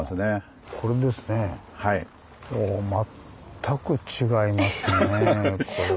全く違いますねぇこれは。